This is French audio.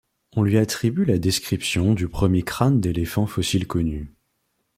On lui attribue la description du premier crâne d’éléphant fossile connu.